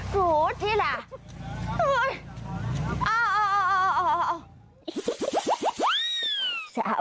สูตรที่ล่ะ